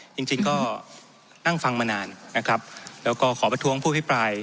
จริงจริงก็นั่งฟังมานานนะครับแล้วก็ขอประท้วงผู้อภิปราย